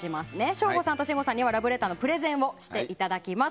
省吾さんと信五さんにはラブレターのプレゼンをしていただきます。